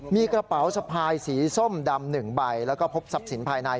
มีกระเป๋าสะพายสีส้มดำ๑ใบแล้วก็พบทรัพย์สินภายใน